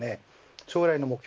将来の目標